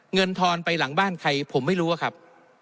ทอนไปหลังบ้านใครผมไม่รู้อะครับ